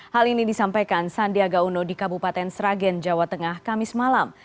hal ini disampaikan sandiaga uno di kabupaten sragen jawa tengah kamis malam